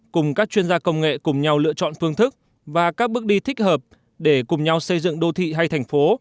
cùng các chuyên gia công nghệ cùng nhau lựa chọn phương thức và các bước đi thích hợp để cùng nhau xây dựng đô thị hay thành phố